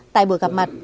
tại buổi gặp mặt